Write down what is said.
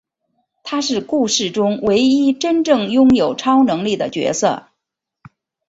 他是故事中唯一真正拥有超能力的角色。